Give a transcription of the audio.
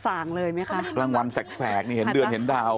ส่างเลยมั้ยคะรางวัลแสกนี่เห็นเดือนเห็นดาว